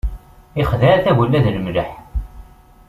Ixdeɛ tagella d lemleḥ.